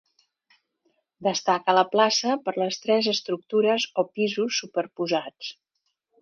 Destaca a la plaça per les tres estructures o pisos superposats.